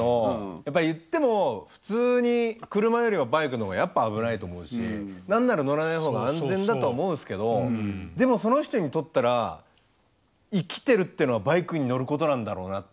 やっぱ言っても普通に車よりはバイクの方がやっぱ危ないと思うし何なら乗らない方が安全だとは思うんですけどでもその人にとったら生きてるっていうのはバイクに乗ることなんだろうなって。